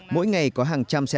mỗi ngày có hàng trăm xe tải